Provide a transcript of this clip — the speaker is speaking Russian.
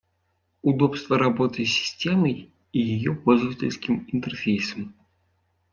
Удобство работы с системой и ее пользовательским интерфейсом